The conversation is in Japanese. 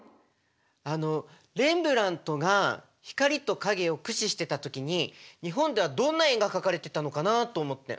あのレンブラントが光と影を駆使してた時に日本ではどんな絵が描かれてたのかなと思って。